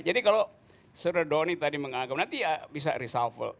jadi kalau seredoni tadi mengagum nanti ya bisa risalvel